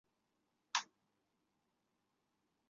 以下介绍以最终回之前的设定为准。